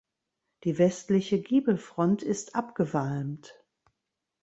Die westliche Giebelfront ist abgewalmt.